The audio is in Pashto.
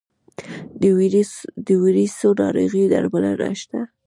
د ویروسي ناروغیو درملنه شته؟